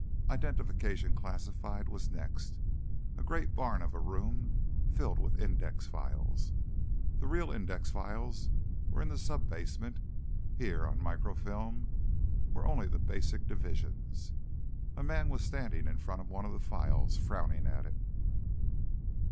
Identification Classified was next, a great barn of a room filled with index files. The real indexes were in the sub basement; here, on microfilm, were only the basic divisions. A man was standing in front of one of the files, frowning at it.